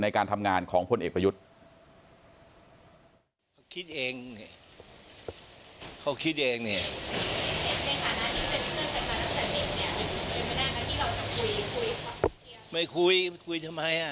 ในการทำงานของพลเอกประยุทธ์